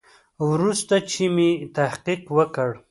وروسته چې مې تحقیق وکړ.